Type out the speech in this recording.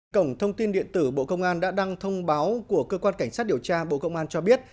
cổng thông tin điện tử bộ công an đã đăng thông báo của cơ quan cảnh sát điều tra bộ công an cho biết